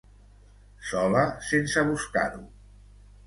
Sola sense buscar-ho.